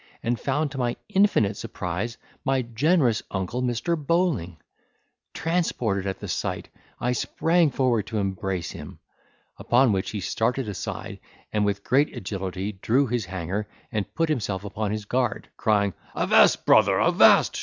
And found to my infinite surprise my generous uncle, Mr. Bowling! Transported at the sight, I sprang forward to embrace him. Upon which he started aside with great agility, drew his hanger, and put himself upon his guard, crying, "Avast, brother, avast!